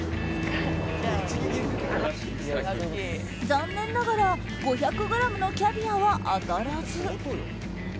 残念ながら５００ｇのキャビアは当たらず。